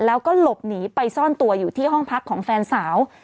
แล้วก็หลบหนีไปซ่อนตัวอยู่ที่ห้องพักของแฟนสาว